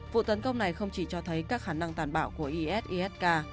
vụ tấn công này không chỉ cho thấy các khả năng tàn bạo của isis k